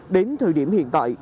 đến thời điểm hiện tại